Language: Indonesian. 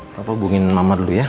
bapak hubungin mama dulu ya